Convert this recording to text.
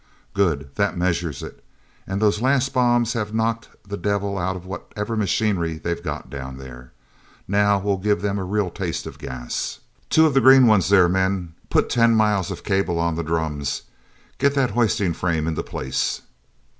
"Good. That measures it. And those last bombs have knocked the devil out of whatever machinery they've got down there. Now we'll give them a real taste of gas. Two of the green ones there, men. Put ten miles of cable on the drums. Get that hoisting frame into place."